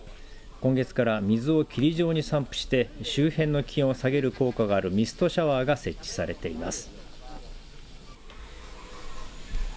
今月から水を霧状に散布して周辺の気温を下げる効果があるミストシャワーが設置されています。